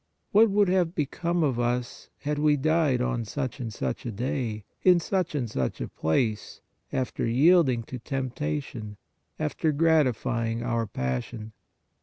What would have become of us, had we died on such and such a day, in such and such a place, after yielding to tempta tion, after gratifying our passion?